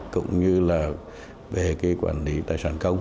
cũng như là về quản lý tài sản công